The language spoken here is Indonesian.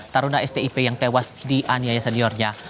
taruna stip yang tewas dianiaya seniornya